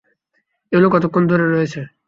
এগুলো কতক্ষণ ধরে রয়েছে?